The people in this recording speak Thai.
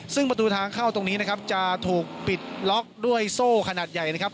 ซึ่งประตูทางเข้าตรงนี้นะครับจะถูกปิดล็อกด้วยโซ่ขนาดใหญ่นะครับ